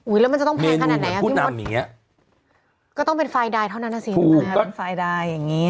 อุ้ยแล้วมันจะต้องแพงขนาดไหนครับคิมว่ามีเมนูเหมือนผู้นำอย่างเนี้ย